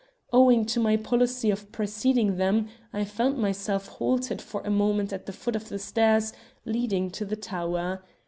Owing to my policy of preceding them I found myself halted for a moment at the foot of the stairs leading to the tower.